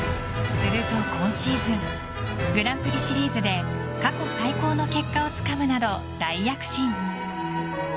すると今シーズングランプリシリーズで過去最高の結果をつかむなど大躍進。